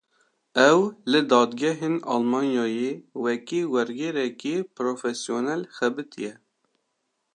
Ew, li dadgehên Almanyayê, wekî wergêrekî profesyonel xebitiye